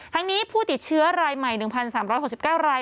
ทั้งนี้ผู้ติดเชื้อรายใหม่๑๓๖๙ราย